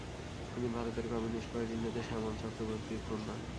তিনি ভারতের কমিউনিস্ট পার্টির নেতা শ্যামল চক্রবর্তীর কন্যা।